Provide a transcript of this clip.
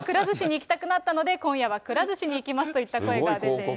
なぜかくら寿司に行きたくなったので、今夜はくら寿司に行きますといった声が出ています。